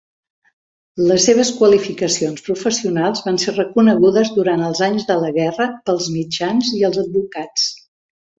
Les seves qualificacions professionals van ser reconegudes durant els anys de la guerra pels mitjans i els advocats.